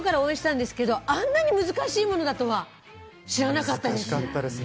本当に心から応援したんですけど、あんなに難しいものだとは知らなかった。